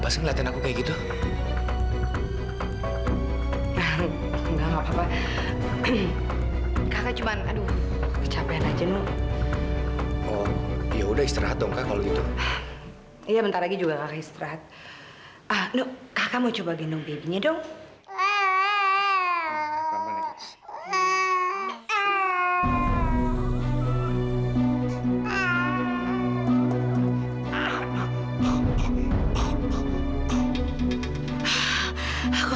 sampai jumpa di video selanjutnya